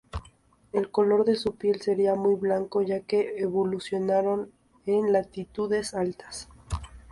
El color de su piel sería muy blanco, ya que evolucionaron en latitudes altas.